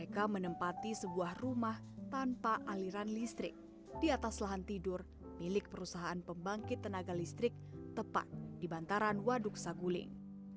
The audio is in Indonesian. mereka menempati sebuah rumah tanpa aliran listrik di atas lahan tidur milik perusahaan pembangkit tenaga listrik tepat di bantaran waduk saguling